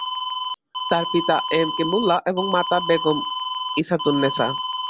তার পিতা M K Molla এবং মাতা বেগম ইসাতুন্নেছা।